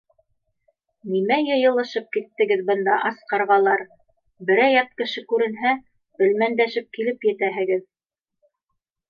— Нимә йыйылышып киттегеҙ бында, ас ҡарғалар? Берәй ят кеше күренһә, элмәндәшеп килеп етәһегеҙ!